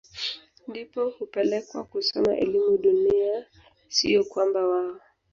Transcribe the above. ndipo hupelekwa kusoma elimu dunia siyo kwamba wao